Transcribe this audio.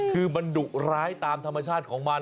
คือมันดุร้ายตามธรรมชาติของมัน